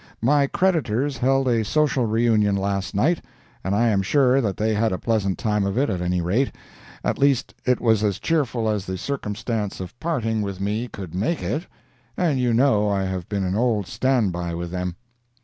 My creditors held a social reunion last night, and I am sure that they had a pleasant time of it at any rate—at least it was as cheerful as the circumstance of parting with me could make it—and you know I have been an old stand by with them.